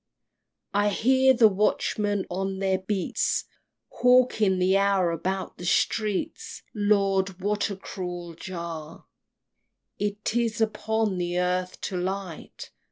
XXXVII. I hear the watchmen on their beats, Hawking the hour about the streets. Lord! what a cruel jar It is upon the earth to light!